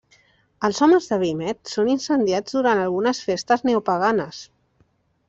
Els homes de vímet són incendiats durant algunes festes neopaganes.